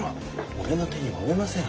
俺の手には負えません。